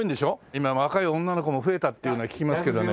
今若い女の子も増えたっていうのは聞きますけどね。